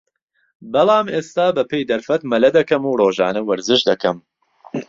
بەڵام ئێستا بە پێی دەرفەت مەلە دەکەم و رۆژانە وەرزش دەکەم